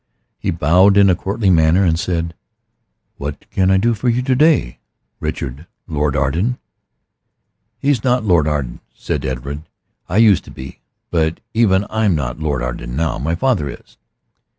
He bowed in a courtly manner, and said "What can I do for you to day, Richard Lord Arden?" "He's not Lord Arden," said Edred. "I used to be. But even I'm not Lord Arden now. My father is."